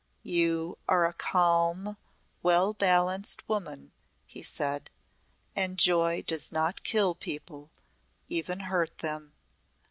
"You are a calm, well balanced woman," he said. "And joy does not kill people even hurt them."